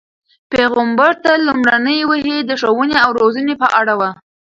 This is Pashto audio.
پیغمبر ته لومړنۍ وحی د ښوونې او روزنې په اړه وه.